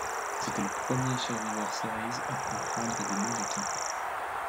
C'était le premier Survivor Series à comprendre des noms d'équipes.